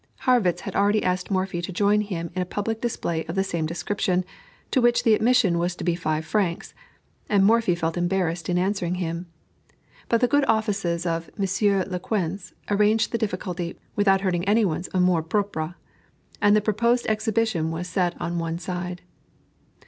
Harrwitz had already asked Morphy to join him in a public display of the same description, to which the admission was to be five francs, and Morphy felt embarrassed in answering him; but the good offices of Mr. Lequesne arranged the difficulty, without hurting any one's amour propre, and the proposed exhibition was set on one side.